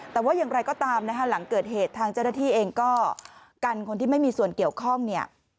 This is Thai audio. แต่ว่าอย่างไรก็ตามนะคะหลังเกิดเหตุทางเจ้าหน้าที่เองก็กันคนที่ไม่มีส่วนเกี่ยวข้องเนี่ย